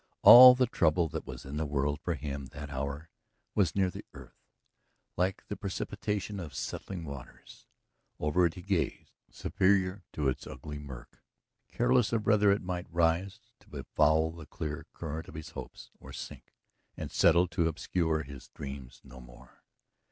All the trouble that was in the world for him that hour was near the earth, like the precipitation of settling waters. Over it he gazed, superior to its ugly murk, careless of whether it might rise to befoul the clear current of his hopes, or sink and settle to obscure his dreams no more.